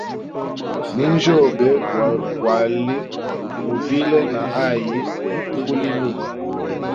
Ninjyoge guvile na hayi ubulimi.